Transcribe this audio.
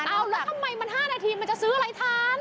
เอาแล้วทำไมมัน๕นาทีมันจะซื้ออะไรทัน